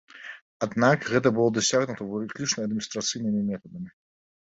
Аднак гэта было дасягнута выключна адміністрацыйнымі метадамі.